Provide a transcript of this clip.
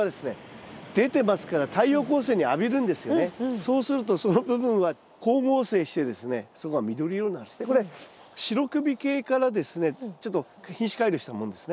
そうするとその部分はこれ白首系からですねちょっと品種改良したものですね。